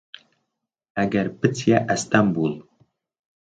ئەگەر پچیە ئەستەمبول